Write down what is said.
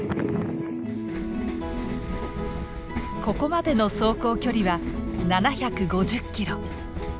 ここまでの走行距離は７５０キロ。